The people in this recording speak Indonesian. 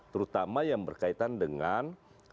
terutama yang berkaitan dengan